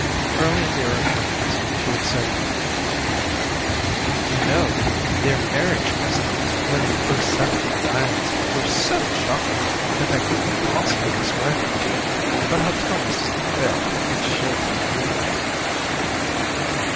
Early in their acquaintance she had said to him: "You know, their marriage customs when we first settled in the islands were so shocking that I couldn't possibly describe them to you. But I'll tell Mrs Macphail and she'll tell you."